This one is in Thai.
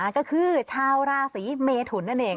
ก็คือชาวราศีเมทุนนั่นเอง